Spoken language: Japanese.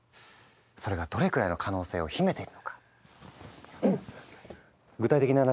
それがどれくらいの可能性を秘めているのか具体的な話